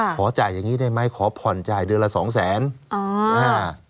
ขอจ่ายอย่างนี้ได้ไหมขอผ่อนจ่ายเดือนละ๒๐๐๐๐๐บาท